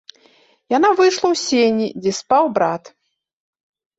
Яна выйшла ў сені, дзе спаў брат.